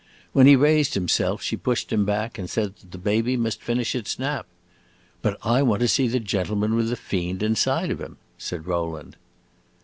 When he raised himself she pushed him back and said that the baby must finish its nap. "But I want to see the gentleman with the fiend inside of him," said Rowland.